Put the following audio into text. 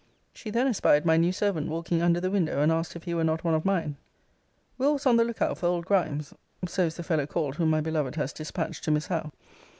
She then espied my new servant walking under the window, and asked if he were not one of mine? Will. was on the look out for old Grimes, [so is the fellow called whom my beloved has dispatched to Miss Howe.